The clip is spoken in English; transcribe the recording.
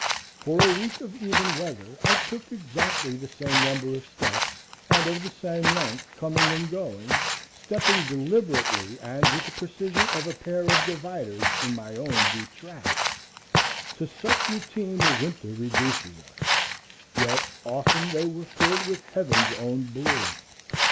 For a week of even weather I took exactly the same number of steps, and of the same length, coming and going, stepping deliberately and with the precision of a pair of dividers in my own deep tracks,—to such routine the winter reduces us,—yet often they were filled with heaven's own blue.